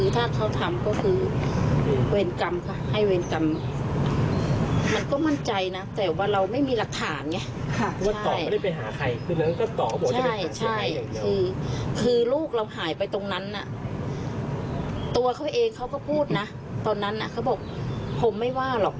ตัวเขาเองเขาก็พูดนะตอนนั้นเขาบอกผมไม่ว่าหรอก